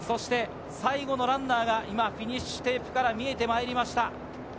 最後のランナーがフィニッシュテープから見えてきました。